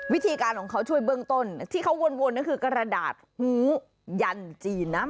วิธีการของเขาช่วยเบื้องต้นที่เขาวนก็คือกระดาษหูยันจีนนะ